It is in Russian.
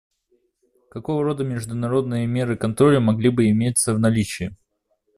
Какого рода международные меры контроля могли бы иметься в наличии?